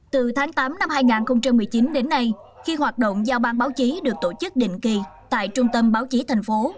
từ tháng tám năm hai nghìn một mươi chín đến nay khi hoạt động giao ban báo chí được tổ chức định kỳ tại trung tâm báo chí thành phố